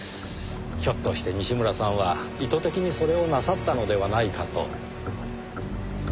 ひょっとして西村さんは意図的にそれをなさったのではないかと。